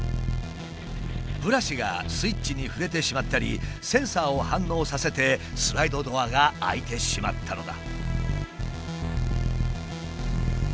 ブラシがスイッチに触れてしまったりセンサーを反応させてスライドドアが開いてしまったのだ。